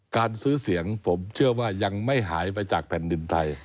การซื้อเสียงผมเชื่อว่ายังไม่หายไปจากแผ่นดินไทย